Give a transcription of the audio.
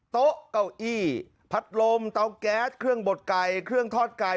โต๊ะเก้าอี้พัดลมเตาแก๊สเครื่องบดไก่เครื่องทอดไก่